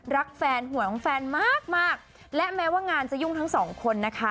รักแฟนหวยของแฟนมากมากและแม้ว่างานจะยุ่งทั้งสองคนนะคะ